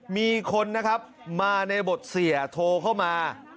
มีคนนะครับมาในบทเสียโทรเข้ามา